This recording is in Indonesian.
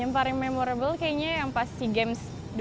yang paling memuaskan kayaknya yang pasti games ini